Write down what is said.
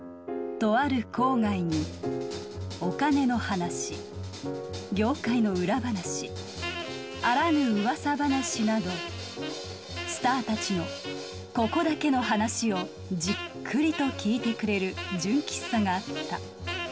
とある郊外にお金の話業界の裏話あらぬうわさ話などスターたちのここだけの話をじっくりと聞いてくれる純喫茶があった。